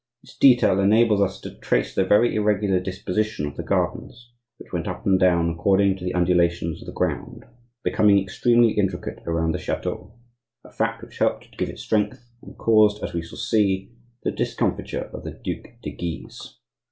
This detail enables us to trace the very irregular disposition of the gardens, which went up or down according to the undulations of the ground, becoming extremely intricate around the chateau,—a fact which helped to give it strength, and caused, as we shall see, the discomfiture of the Duc de Guise.